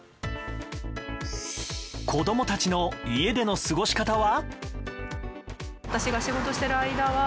子供たちの家での過ごし方は？